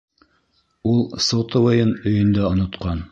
Ул сотовыйын өйөндә онотҡан.